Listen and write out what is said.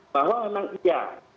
bahwa memang iya